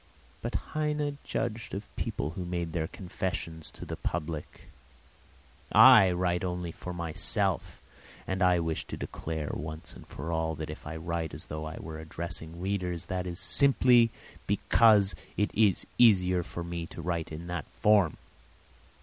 But Heine judged of people who made their confessions to the public. I write only for myself, and I wish to declare once and for all that if I write as though I were addressing readers, that is simply because it is easier for me to write in that form.